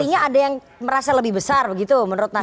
artinya ada yang merasa lebih besar begitu menurut nasdem